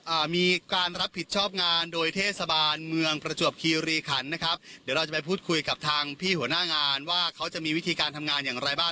อ่ามีการรับผิดชอบงานโดยเทศบาลเมืองประจวบคีรีขันนะครับเดี๋ยวเราจะไปพูดคุยกับทางพี่หัวหน้างานว่าเขาจะมีวิธีการทำงานอย่างไรบ้าง